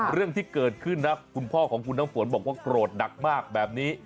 เรื่องที่เกิดขึ้นนะคุณพ่อของคุณน้ำฝนบอกว่าโกรธหนักมากแบบนี้